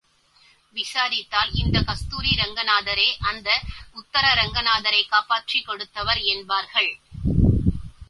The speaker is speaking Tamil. விசாரித்தால் இந்தக் கஸ்தூரி ரங்கநாதரே அந்த உத்தர ரங்கநாதரைக் காப்பாற்றிக் கொடுத்தவர் என்பார்கள்.